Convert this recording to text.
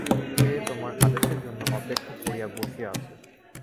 সে তোমার আদেশের জন্য অপেক্ষা করিয়া বসিয়া আছে।